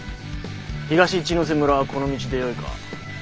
東一之瀬村はこの道でよいか？